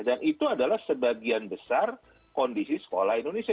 dan itu adalah sebagian besar kondisi sekolah indonesia